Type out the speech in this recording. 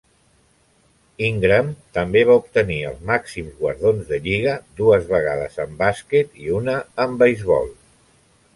Ingram també va obtenir els màxims guardons de lliga, dues vegades en bàsquet i una en beisbol.